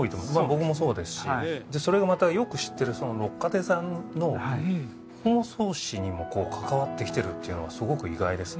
僕もそうですしそれがまたよく知ってる六花亭さんの包装紙にも関わってきてるっていうのはすごく意外ですね